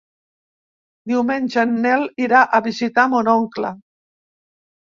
Diumenge en Nel irà a visitar mon oncle.